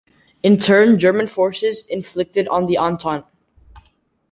In turn German forces inflicted on the Entente.